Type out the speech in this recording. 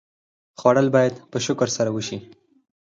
خوړل باید په شکر سره وشي